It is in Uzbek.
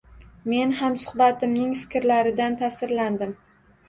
Men hamsuhbatimning fikrlaridan ta’sirlandim.